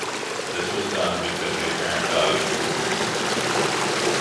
This was done because the apparent value increased.